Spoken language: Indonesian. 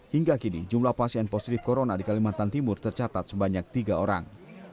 hingga kini jumlah pasien positif corona di kalimantan timur tercatat sebanyak tiga orang